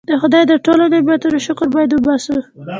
د خدای د ټولو نعمتونو شکر باید وباسو.